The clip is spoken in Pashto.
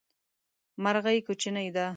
مرغی کوچنی ده